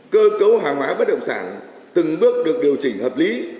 cơ cấu hàng hóa bất động sản từng bước được điều chỉnh hợp lý